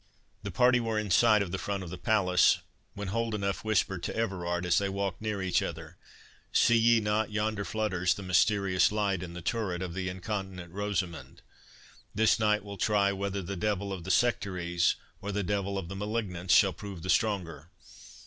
The party were in sight of the front of the palace, when Holdenough whispered to Everard, as they walked near each other—"See ye not, yonder flutters the mysterious light in the turret of the incontinent Rosamond? This night will try whether the devil of the Sectaries or the devil of the Malignants shall prove the stronger.